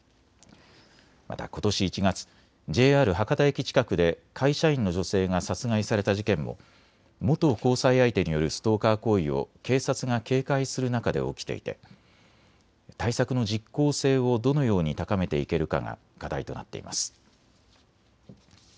またことし１月、ＪＲ博多駅近くで会社員の女性が殺害された事件も元交際相手によるストーカー行為を警察が警戒する中で起きていて対策の実効性をどのように高めていけるかが課題となっています。